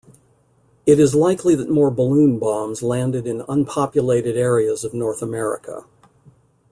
It is likely that more balloon bombs landed in unpopulated areas of North America.